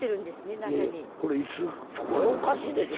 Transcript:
それおかしいでしょ。